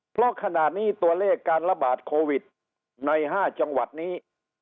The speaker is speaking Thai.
เพราะขณะนี้ตัวเลขการระบาดโควิดใน๕จังหวัดนี้